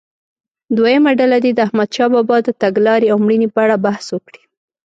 دویمه ډله دې د احمدشاه بابا د تګلارې او مړینې په اړه بحث وکړي.